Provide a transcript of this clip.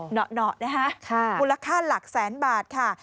เหนาะนะคะมูลค่าหลักแสนบาทค่ะ